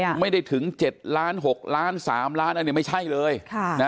ไม่ได้ถึงเจ็ดล้านหกล้านสามล้านอันนี้ไม่ใช่เลยค่ะนะ